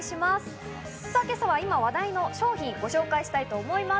今朝は今話題の商品をご紹介したいと思います。